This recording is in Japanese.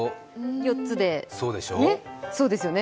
４つで、そうですよね。